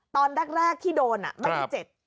ตอนแรกที่โดนไม่ได้เจ็บ